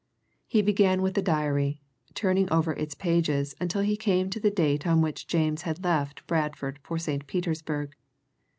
He began with the diary, turning over its pages until he came to the date on which James had left Bradford for St. Petersburg.